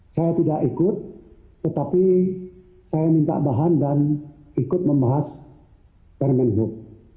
saya tidak ikut tetapi saya minta bahan dan ikut membahas permen hub